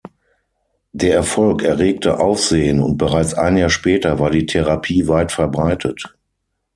Der Erfolg erregte Aufsehen, und bereits ein Jahr später war die Therapie weit verbreitet.